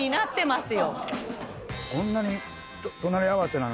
こんなに。